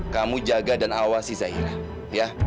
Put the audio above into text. kamu jaga dan awasi zahira